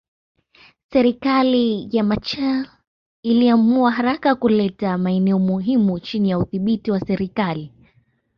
Serikali ya Machel iliamua haraka kuleta maeneo muhimu chini ya udhibiti wa serikali